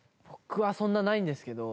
僕はそんなないんですけど。